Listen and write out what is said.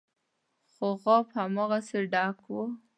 خو غاب هماغسې ډک و.